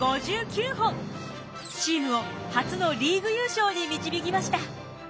チームを初のリーグ優勝に導きました！